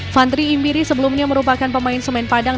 fantri imbiri sebelumnya merupakan pemain semen padang